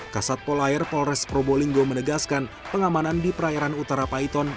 kasat polair polres probolinggo menegaskan pengamanan di perairan utara paiton